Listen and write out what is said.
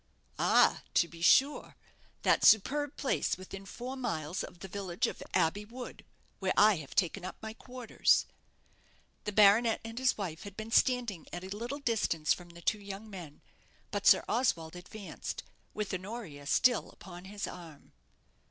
"Ah, to be sure; that superb place within four miles of the village of Abbey wood, where I have taken up my quarters." The baronet and his wife had been standing at a little distance from the two young men; but Sir Oswald advanced, with Honoria still upon his arm.